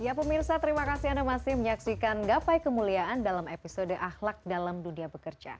ya pemirsa terima kasih anda masih menyaksikan gapai kemuliaan dalam episode ahlak dalam dunia bekerja